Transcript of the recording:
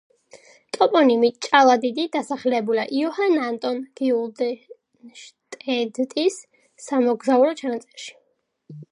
ტოპონიმი ჭალადიდი დასახელებულია იოჰან ანტონ გიულდენშტედტის სამოგზაურო ჩანაწერში.